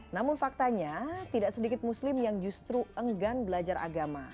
namun faktanya tidak sedikit muslim yang justru enggan belajar agama